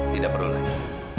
tidak perlu lagi